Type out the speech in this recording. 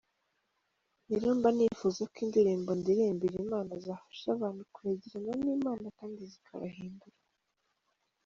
Rero mba nifuza ko indirimbo ndirimbira Imana zafasha abantu kwegerana n'Imana kandi zikabahindura.